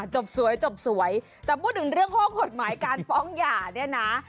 จบสวยจบสวยแต่พูดถึงเรื่องข้อกฎหมายการฟ้องหย่าเนี่ยนะ